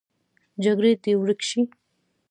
جګړې دې ورکې شي